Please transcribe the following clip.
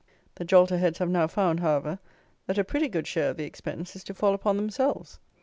The jolterheads have now found, however, that a pretty good share of the expense is to fall upon themselves.